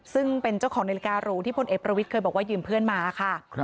ซึ่งเป็นเจ้าของนาฬิการูที่พลเอกประวิทย์เคยบอกว่ายืมเพื่อนมาค่ะ